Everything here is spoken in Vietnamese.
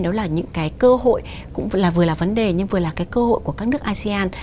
đó là những cái cơ hội cũng vừa là vấn đề nhưng vừa là cái cơ hội của các nước asean